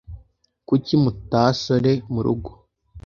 Kuki mutasore murugo